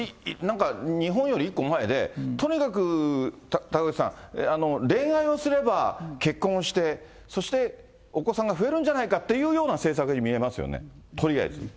日本より一個前で、とにかく高口さん、恋愛をすれば結婚をして、そしてお子さんが増えるんじゃないかというような政策に見えますよね、とりあえず。